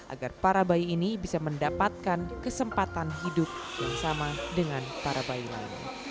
agar para bayi ini bisa mendapatkan kesempatan hidup yang sama dengan para bayi lain